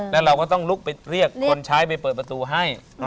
แล้วเราก็ต้องลุกไปเรียกคนใช้ไปเปิดประตูให้